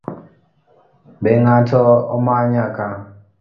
Be ng’ato omanya ka?